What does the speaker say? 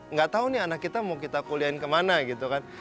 nggak tahu nih anak kita mau kita kuliahin kemana gitu kan